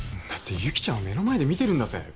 だって由岐ちゃんは目の前で見てるんだぜ。